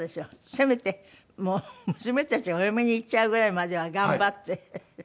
せめて娘たちがお嫁に行っちゃうぐらいまでは頑張って。